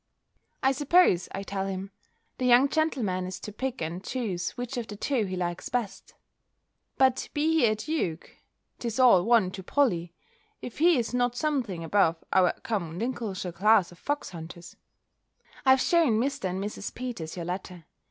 "I suppose," I tell him, "the young gentleman is to pick and choose which of the two he likes best." But be he a duke, 'tis all one to Polly, if he is not something above our common Lincolnshire class of fox hunters. I have shewn Mr. and Mrs. Peters your letter.